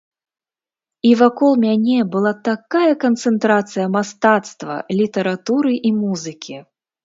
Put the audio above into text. І вакол мяне была такая канцэнтрацыя мастацтва, літаратуры і музыкі!